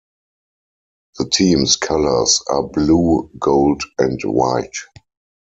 The team's colors are blue, gold and white.